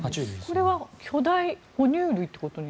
これは巨大哺乳類ということに。